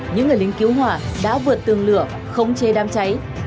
những người lính cứu hỏa đã vượt tường lửa không chê đám cháy